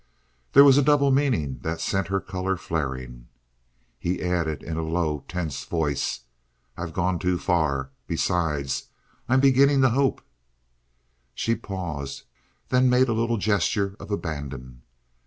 There was a double meaning that sent her color flaring. He added in a low, tense voice, "I've gone too far. Besides, I'm beginning to hope!" She paused, then made a little gesture of abandon.